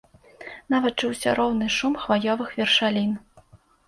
Нават чуўся роўны шум хваёвых вершалін.